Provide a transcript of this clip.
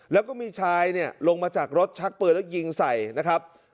แล้วก็มีชายเนี่ยลงมาจากรถชักปืนแล้วยิงใส่นะครับ